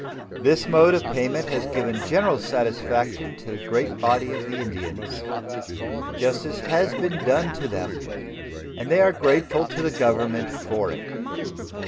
This mode of payment has given general satisfaction to the great body of the Indians. Justice has been done to them, and they are grateful to the Government for it.